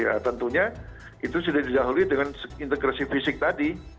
nah tentunya itu sudah dilahului dengan integrasi fisik tadi